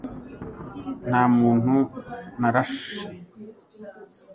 nta muntu narashe